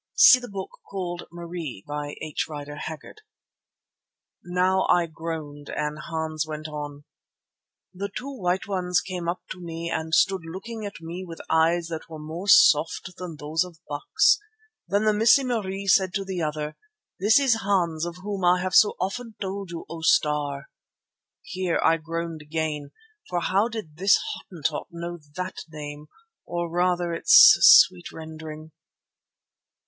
See the book called Marie by H. Rider Haggard. Now I groaned, and Hans went on: "The two White Ones came up to me, and stood looking at me with eyes that were more soft than those of bucks. Then the Missie Marie said to the other: 'This is Hans of whom I have so often told you, O Star.'" Here I groaned again, for how did this Hottentot know that name, or rather its sweet rendering?